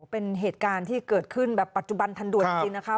เป็นเหตุการณ์ที่เกิดขึ้นแบบปัจจุบันทันด่วนจริงนะคะ